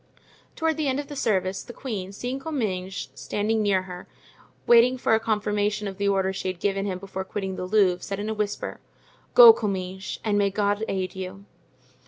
Toward the end of the service, the queen, seeing Comminges standing near her, waiting for a confirmation of the order she had given him before quitting the Louvre, said in a whisper: "Go, Comminges, and may God aid you!"